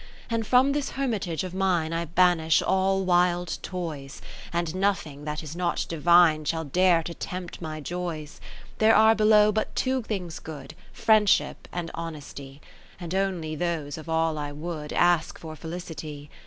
And from this hermitage of mine I banish all wild toys. And nothing that is not Divine Shall dare to tempt my joys. 80 There are below but two things good, Friendship and Honesty, And only those of all I would Ask for felicity.